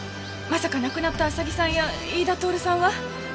まさか亡くなった浅木さんや飯田透さんは。